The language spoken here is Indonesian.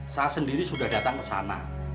saya sendiri sudah dapet